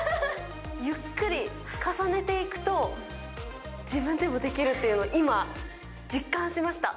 ゆっくり重ねていくと、自分でもできるっていうのを今、実感しま